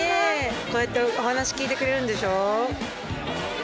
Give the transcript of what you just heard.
こうやってお話聞いてくれるんでしょ。